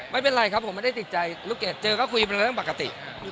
ไม่เป็นไรครับผมไม่ได้ติดใจลูกเกดเจอก็คุยเป็นเรื่องปกติ